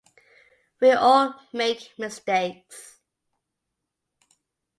We all make mistakes.